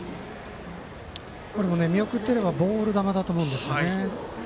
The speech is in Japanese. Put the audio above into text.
見送っていればボール球だと思うんです。